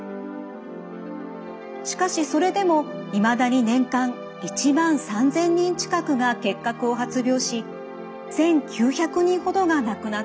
しかしそれでもいまだに年間１３，０００人近くが結核を発病し１，９００人ほどが亡くなっています。